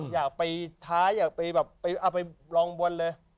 อยากไปท้าแบบอยากไปลองบวลเลย